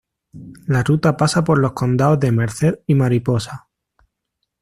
La ruta pasa por los condados de Merced y Mariposa.